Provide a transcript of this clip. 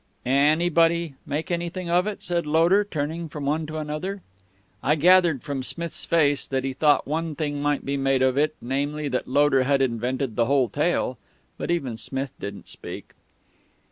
"_Any_body make anything of it?" said Loder, turning from one to another. I gathered from Smith's face that he thought one thing might be made of it namely, that Loder had invented the whole tale. But even Smith didn't speak.